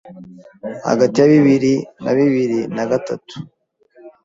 hagati ya bibiri na bibiri na gatatu